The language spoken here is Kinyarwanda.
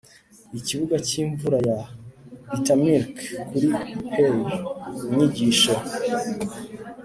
ikibuga cyimvura ya buttermilk kuri pail! inyigisho